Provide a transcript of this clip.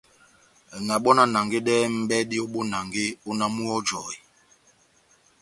Na bɔ́ na nangedɛhɛni mʼbɛdi ó bonange ó náh múhɔjɔhe.